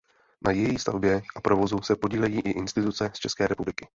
Na její stavbě a provozu se podílejí i instituce z České republiky.